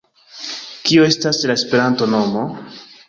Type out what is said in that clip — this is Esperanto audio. - Kio estas la Esperanto-nomo?